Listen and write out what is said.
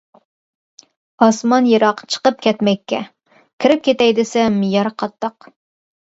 ئاسمان يىراق چىقىپ كەتمەككە، كىرىپ كېتەي دېسەم يەر قاتتىق.